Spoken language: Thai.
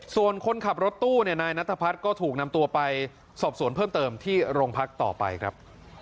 ส่วนคนขับรถตู้เนี่ยนายนัทพัฒน์ก็ถูกนำตัวไปสอบสวนเพิ่มเติมที่โรงพักต่อไปครับ